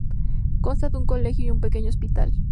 Consta de un colegio y un pequeño hospital.